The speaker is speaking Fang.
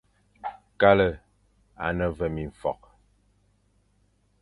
Kale à ne ve mimfokh,